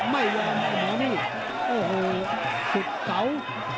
ไม่เหลือโอ้โหสุดเก๋า